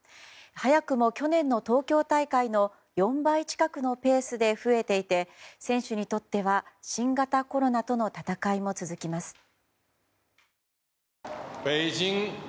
早くも去年の東京大会の４倍近くのペースで増えていて、選手にとっては新型コロナとの闘いも続きます。